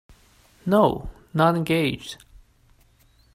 No, not engaged.